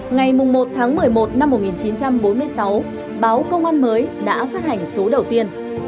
ngày một tháng một mươi một năm một nghìn chín trăm bốn mươi sáu báo công an mới đã phát hành số đầu tiên